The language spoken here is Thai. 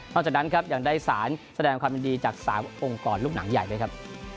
จากนั้นครับยังได้สารแสดงความยินดีจาก๓องค์กรลูกหนังใหญ่ด้วยครับ